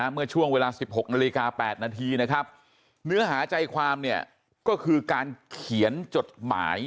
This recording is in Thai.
เมื่อช่วงเวลา๑๖นาฬิกา๘นาทีนะครับเนื้อหาใจความเนี่ยก็คือการเขียนจดหมาย